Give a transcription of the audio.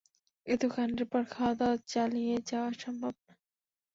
এত কাণ্ডের পর খাওয়াদাওয়া চালিয়ে যাওয়া সম্ভব না।